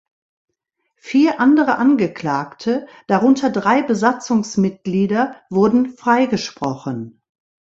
Vier andere Angeklagte, darunter drei Besatzungsmitglieder, wurden freigesprochen.